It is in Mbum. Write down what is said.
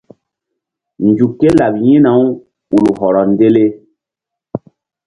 Nzuk ké laɓ yi̧hna-u ul hɔrɔ ndele.